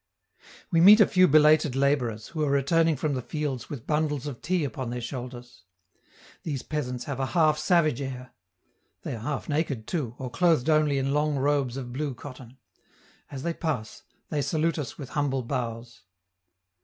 We meet a few belated laborers, who are returning from the fields with bundles of tea upon their shoulders. These peasants have a half savage air. They are half naked, too, or clothed only in long robes of blue cotton; as they pass, they salute us with humble bows.